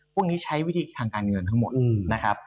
พวกนี้ใช้วิธีทางการเงินทั้งหมดนะครับ